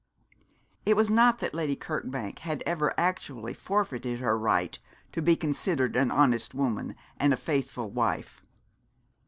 It was not that Lady Kirkbank had ever actually forfeited her right to be considered an honest woman and a faithful wife.